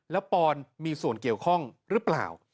แล้วปอนมีส่วนเกี่ยวข้องหรือเปล่า